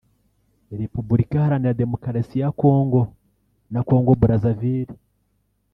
Repubulika Iharanira Demokarasi ya Congo na Congo Brazzaville